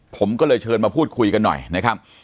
ผมก็เลยเชิญมาพูดคุยกันหน่อยนะครับ